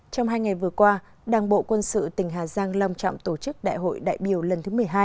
trong hai ngày vừa qua đảng bộ quân sự tỉnh hà giang lòng trọng tổ chức đại hội đại biểu lần thứ một mươi hai